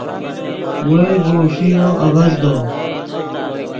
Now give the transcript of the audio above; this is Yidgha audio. وئے ڤؤ ݰیو آڤزدو